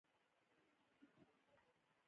په عادي او مطلق ډول د یو کار سرته رسېدل بیانیوي.